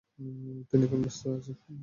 তিনি এখন ব্যাস্ত আছেন।